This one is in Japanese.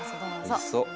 おいしそう。